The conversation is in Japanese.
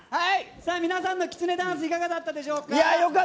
皆さんのきつねダンスいかがだったでしょうか。